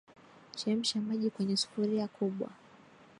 Chemsha maji kwenye sufuria kubwa